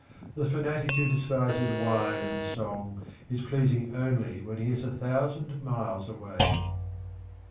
The fanatic who despises wine and song is pleasing only when he is a thou sand miles away.